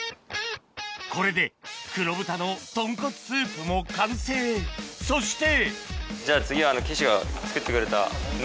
これで黒豚の豚骨スープも完成そしてじゃあ次は。